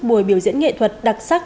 buổi biểu diễn nghệ thuật đặc sắc